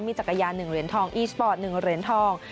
มีจักรยาน๑เหรียญทองอีสปอร์ต๑เหรียญทอง